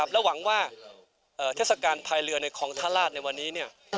และหวังว่าเทศกาลภายเรือในคลองท่าราชในวันนี้